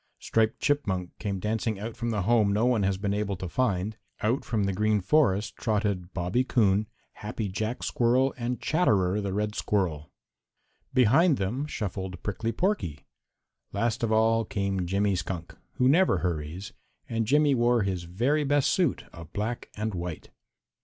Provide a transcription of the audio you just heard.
Striped Chipmunk came dancing out from the home no one has been able to find. Out from the Green Forest trotted Bobby Coon, Happy Jack Squirrel and Chatterer the Red Squirrel. Behind them shuffled Prickly Porky. Last of all came Jimmy Skunk, who never hurries, and Jimmy wore his very best suit of black and white.